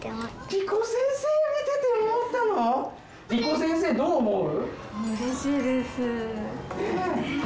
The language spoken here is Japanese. りこ先生どう思う？